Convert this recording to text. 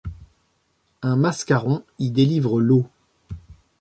Un mascaron y délivre l'eau.